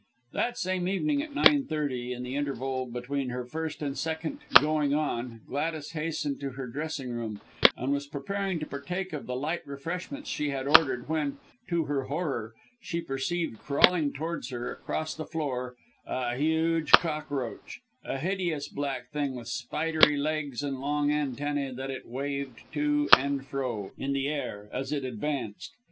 That same evening at nine thirty, in the interval between her first and second "going on," Gladys hastened to her dressing room, and was preparing to partake of the light refreshments she had ordered, when to her horror she perceived crawling towards her, across the floor, a huge cockroach a hideous black thing with spidery legs and long antennae that it waved, to and fro, in the air, as it advanced.